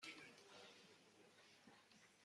او فردی قابل اعتماد با حس شوخی خوب است.